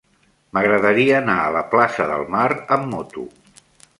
M'agradaria anar a la plaça del Mar amb moto.